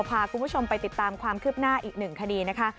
พาคุณผู้ชมไปติดตามความคืบหน้าอีกหนึ่งคดีนะคะ